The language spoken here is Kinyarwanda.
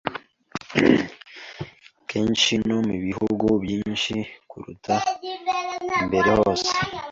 kenshi no mubihugu byinshi kuruta mbere hose